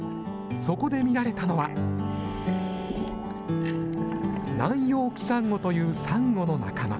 そこで見られたのは、ナンヨウキサンゴというサンゴの仲間。